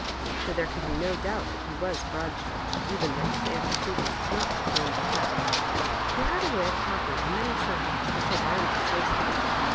For there could be no doubt that he was Broad Church, even though his antecedents had not proclaimed the &ct. He had a way of talking on many subjects which alarmed his hostess.